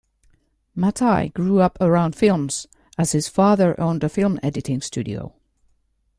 Mattei grew up around films as his father owned a film editing studio.